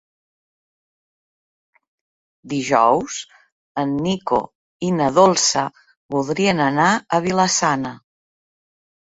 Dijous en Nico i na Dolça voldrien anar a Vila-sana.